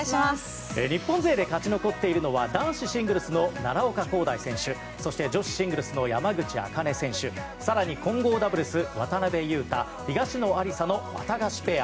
日本勢で勝ち残っているのは男子シングルスの奈良岡功大選手そして、女子シングルスの山口茜選手更に混合ダブルス渡辺勇大、東野有紗のワタガシペア。